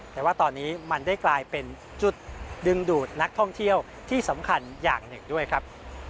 แต่ว่าตอนนี้มันได้กลายเป็นจุดดึงดูดนักท่องเที่ยวที่สำคัญอย่างหนึ่งด้วยครับ